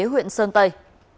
huyện sơn tây